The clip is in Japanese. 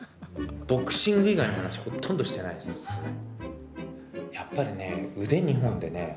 ボクシング以外の話ほとんどしてないっすよね。